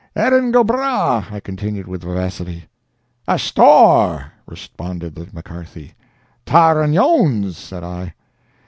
"Erin go bragh," I continued with vivacity. "Asthore!" responded The McCarthy. "Tare an' ouns!" said I.